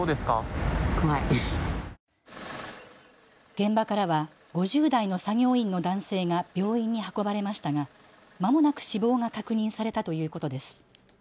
現場からは５０代の作業員の男性が病院に運ばれましたがまもなく死亡が確認されたということです。